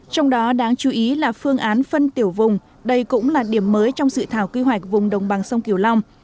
trong đó đáng chú ý là phương án phân tiểu vùng đây cũng là điểm mới trong dự thảo quy hoạch vùng đồng bằng sông kiều long